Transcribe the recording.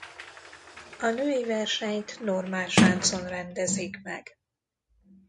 A női versenyt normálsáncon rendezik meg.